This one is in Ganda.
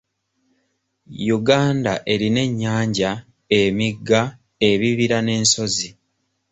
Uganda erina ennyanja, emigga, ebibira n'ensozi.